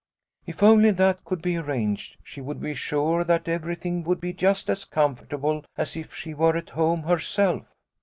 If only that could be arranged, she would be sure that everything would be just as com fortable as if she were at home herself."